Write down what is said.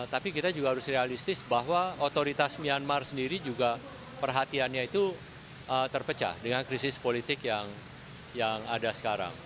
tapi kita juga harus realistis bahwa otoritas myanmar sendiri juga perhatiannya itu terpecah dengan krisis politik yang ada sekarang